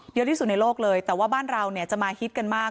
เยอะที่สุดในโลกเลยแต่ว่าบ้านเราเนี่ยจะมาฮิตกันมาก